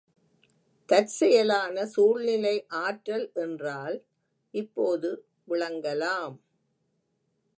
தற்செயலான சூழ்நிலை ஆற்றல் என்றால் இப்போது விளங்கலாம்.